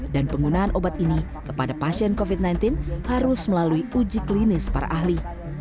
dan penggunaan obat ini kepada pasien covid sembilan belas harus melalui uji klinis para ahli